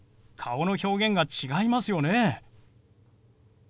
顔の表現が違いますよね。